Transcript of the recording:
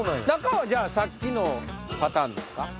中はじゃあさっきのパターンですか？